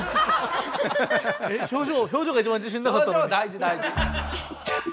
表情が一番自信なかったのに。